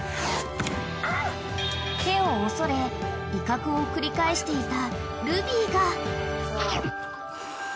［手を恐れ威嚇を繰り返していたルビーが］